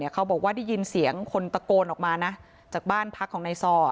เขาบอกว่าได้ยินเสียงคนตะโกนออกมานะจากบ้านพักของนายซอ